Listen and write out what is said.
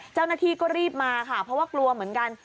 เจ้าหน้าที่ก็รีบมาค่ะเพราะว่ากลัวเหมือนกัน